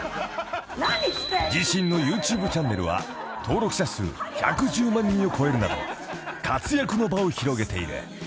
［自身のＹｏｕＴｕｂｅチャンネルは登録者数１１０万人を超えるなど活躍の場を広げている］